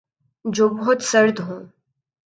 جو بہت سرد ہوں